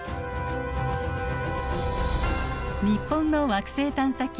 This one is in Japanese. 日本の惑星探査機